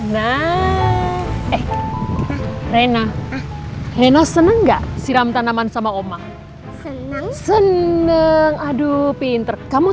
nah eh rena rena seneng nggak siram tanaman sama oma seneng aduh pinter kamu